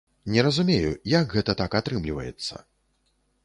Не разумею, як гэта так атрымліваецца.